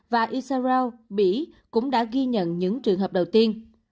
và israel cũng đã ghi nhận những trường hợp đầu tiên